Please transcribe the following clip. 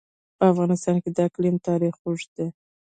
په افغانستان کې د اقلیم تاریخ اوږد دی.